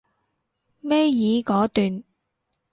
尾二嗰段